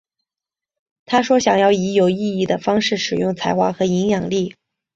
她说想要以有意义的方式使用才华和影响力。